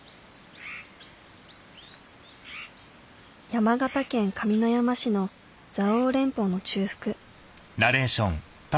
山形県上山市の蔵王連峰の中腹